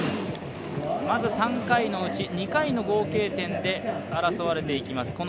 まず３回のうち２回の合計点で争われていきます